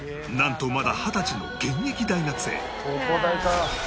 なんとまだ二十歳の現役大学生